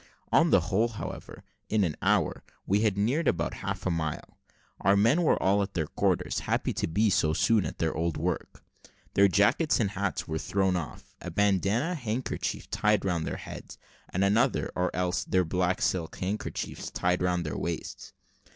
On the whole, however, in an hour we had neared about half a mile. Our men were all at their quarters, happy to be so soon at their old work. Their jackets and hats were thrown off, a bandana handkerchief tied round their heads, and another, or else their black silk handkerchiefs, tied round their waists.